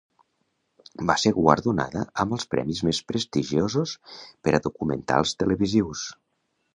Va ser guardonada amb els premis més prestigiosos per a documentals televisius.